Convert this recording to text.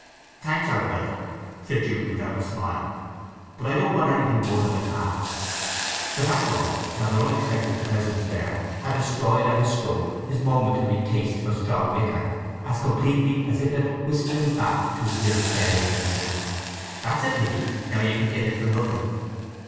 "Thanks, Arabella," said Jude without a smile. "But I don't want anything more than I've had." The fact was that her unexpected presence there had destroyed at a stroke his momentary taste for strong liquor as completely as if it had whisked him back to his milk fed infancy. "That's a pity, now you could get it for nothing."